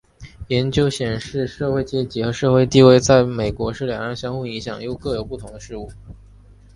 研究显示社会阶级和社会地位在英国是两样相互影响又各有不同的事物。